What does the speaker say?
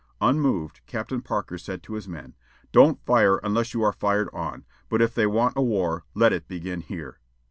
Unmoved, Captain Parker said to his men, "Don't fire unless you are fired on; but if they want a war, let it begin here."